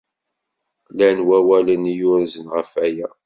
Llan wawalen i yurzen ɣer waya.